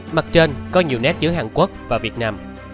mặt trên có nhiều nét chữ hàn quốc và việt nam